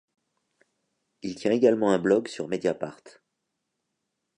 Il tient également un blog sur Mediapart.